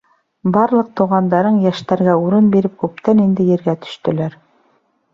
Барлыҡ туғандарың йәштәргә урын биреп күптән инде ергә төштөләр.